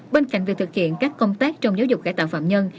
bên cạnh việc thực hiện các công tác trong giáo dục cải tạo phạm nhân